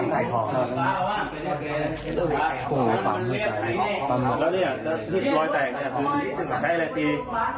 เฮ้ยกูใช้อะไรตี